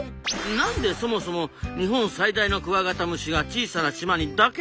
なんでそもそも日本最大のクワガタムシが小さな島にだけいるんですか？